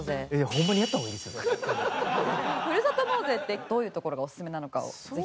ふるさと納税ってどういうところがオススメなのかをぜひ。